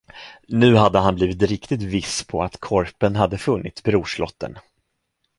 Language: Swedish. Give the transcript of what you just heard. Nu hade han blivit riktigt viss på att korpen hade funnit brorslotten.